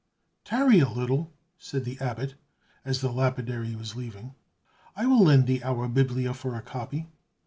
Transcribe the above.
"Tarry a little," said the Abbot, as the lapidary was leaving; "I will lend thee our 'Biblia,' for a copy."